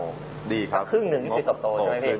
สักครึ่งหนึ่งมีเติมโตใช่ไหมพี่